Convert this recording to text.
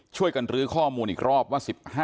ช่วยกันรื้อข้อมูลอีกรอบว่า๑๕